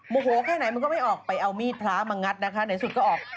โหแค่ไหนมันก็ไม่ออกไปเอามีดพระมางัดนะคะไหนสุดก็ออก